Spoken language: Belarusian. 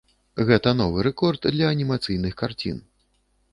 Гэта новы рэкорд для анімацыйных карцін.